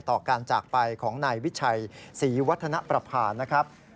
ต่อการจากไปของนายวิชัยศรีวัฒนประพานะครับ